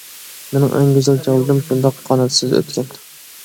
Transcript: مېنىڭ ئەڭ گۈزەل چاغلىرىم شۇنداق قاناتسىز ئۆتكەن.